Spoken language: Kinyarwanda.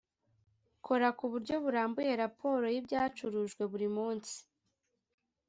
kora ku buryo burambuye raporo y’ibyacurujwe buri munsi